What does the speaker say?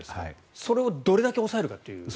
それをどれだけ抑えるかという。